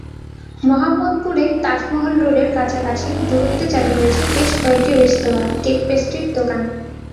মোহাম্মদপুরে তাজমহল রোডে কাছাকাছি দূরত্বে চালু হয়েছে বেশ কয়েকটি রেস্তোরাঁ, কেক-পেস্ট্রির দোকান।